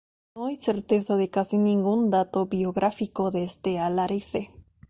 No hay certeza de casi ningún dato biográfico de este alarife.